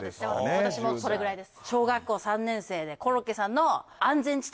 僕は私もそれぐらいです